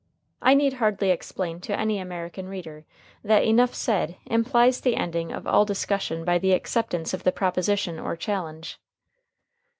I need hardly explain to any American reader that enough said implies the ending of all discussion by the acceptance of the proposition or challenge.